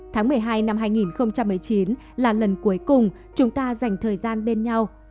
tháng một mươi hai năm hai nghìn một mươi chín là lần cuối cùng chúng ta dành thời gian bên nhau